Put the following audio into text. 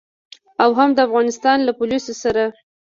او هم د افغانستان له پوليسو سره.